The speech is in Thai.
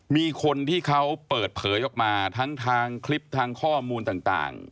มีคนที่เขาเปิดเผยออกมาทั้งทางคลิปทางข้อมูลต่าง